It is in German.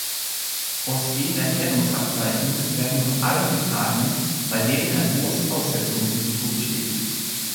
Phosgen-Erkennungsabzeichen werden von allen getragen, bei denen ein hohes Aussetzungsrisiko besteht.